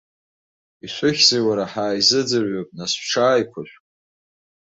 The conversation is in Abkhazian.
Ишәыхьзеи, уара, ҳааизыӡырҩып, нас, шәҽааиқәышәк!